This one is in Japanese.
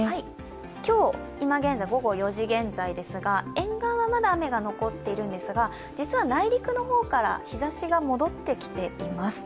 今日今現在ですが、沿岸はまだ雨が残っているんですが、実は内陸の方から日ざしが戻ってきています。